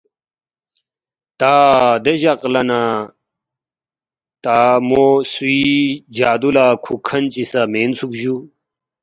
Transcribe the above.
تا دے جق لہ نہ تا مو سُوی جادُو لہ کُھوک کھن چی سہ مینسُوک جُو